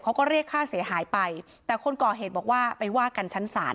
เขาก็เรียกค่าเสียหายไปแต่คนก่อเหตุบอกว่าไปว่ากันชั้นศาล